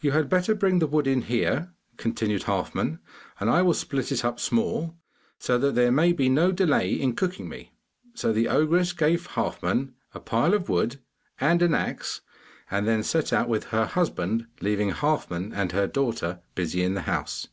'You had better bring the wood in here,' continued Halfman, 'and I will split it up small, so that there may be no delay in cooking me.' So the ogress gave Halfman a pile of wood and an axe, and then set out with her husband, leaving Halfman and her daughter busy in the house.